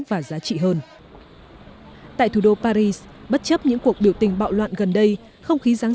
và giá trị hơn tại thủ đô paris bất chấp những cuộc biểu tình bạo loạn gần đây không khí giáng